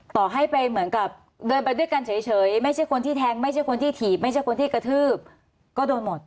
ต่อให้ไปเหมือนกับเดินไปด้วยกันเฉยไม่ใช่คนที่แทงไม่ใช่คนที่ถีบไม่ใช่คนที่กระทืบก็โดนหมด